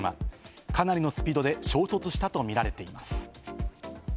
かなりのスピードで衝突したとみられています。